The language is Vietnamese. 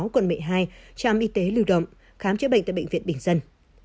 quận một mươi hai trạm y tế lưu động khám chữa bệnh tại bệnh viện bình dân